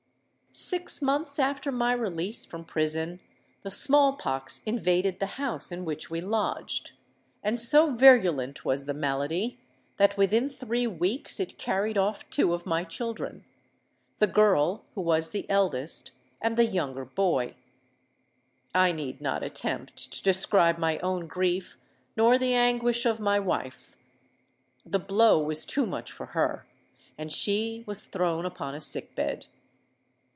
"Six months after my release from prison the small pox invaded the house in which we lodged; and so virulent was the malady, that within three weeks it carried off two of my children—the girl, who was the eldest, and the younger boy. I need not attempt to describe my own grief nor the anguish of my wife. The blow was too much for her; and she was thrown upon a sick bed.